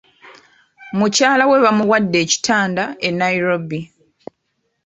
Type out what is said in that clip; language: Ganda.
Mukyala we bamuwadde ekitanda e Nairobi.